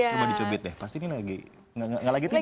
coba dicubit deh pasti ini lagi nggak lagi tidur kan sekarang